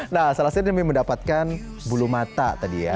nah salah satu demi mendapatkan bulu mata tadi ya